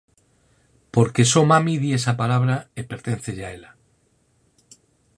Por que só mami di esa palabra, e perténcelle a ela.